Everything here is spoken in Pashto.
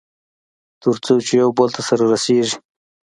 تر څو چې يوبل ته سره رسېږي.